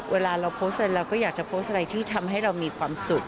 เวลาเรานมวิธีเราก็อยากจะคำว่าที่ทำให้เรามีความสุข